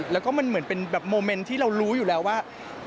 แล้วก็มันเหมือนเป็นแบบโมเมนต์ที่เรารู้อยู่แล้วว่า